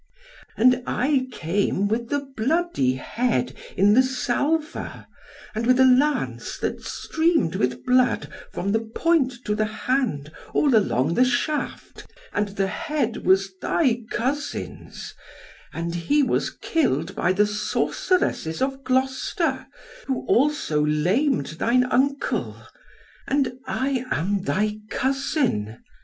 And I came with the bloody head in the salver, and with the lance that streamed with blood from the point to the hand, all along the shaft; and the head was thy cousin's, and he was killed by the sorceresses of Gloucester, who also lamed thine uncle; and I am thy cousin.